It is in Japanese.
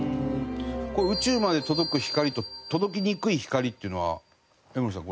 これ宇宙まで届く光と届きにくい光っていうのは江守さん